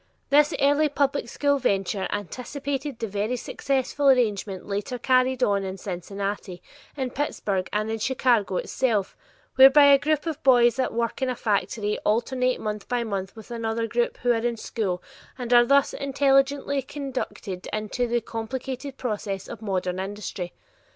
This early public school venture anticipated the very successful arrangement later carried on in Cincinnati, in Pittsburgh and in Chicago itself, whereby a group of boys at work in a factory alternate month by month with another group who are in school and are thus intelligently conducted into the complicated processes of modern industry.